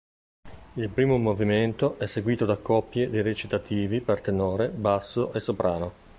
Il primo movimento è seguito da coppie di recitativi per tenore, basso e soprano.